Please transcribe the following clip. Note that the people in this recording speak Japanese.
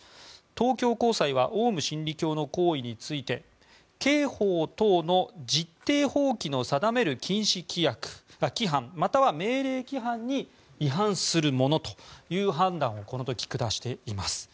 東京高裁はオウム真理教の行為について刑法等の実定法規の定める禁止規範または命令規範に違反するものという判断をこの時、下しています。